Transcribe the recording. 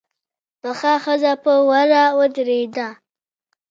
پخه ښځه په وره ودرېده.